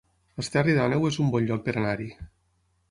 Esterri d'Àneu es un bon lloc per anar-hi